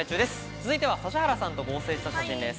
続いては指原さんと合成した写真です。